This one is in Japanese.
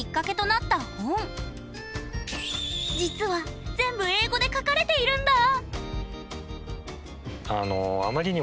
実は全部英語で書かれているんだ！